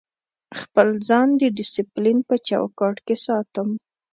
خپل ځان د ډیسپلین په چوکاټ کې ساتم.